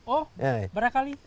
oh berapa kali